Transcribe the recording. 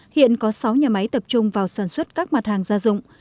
hiện có sáu nhà máy tập trung vào sản xuất các mặt hàng gia dụng